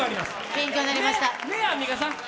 勉強になりました。